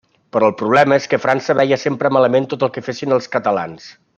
Però el problema és que França veia sempre malament tot el que fessin els catalans.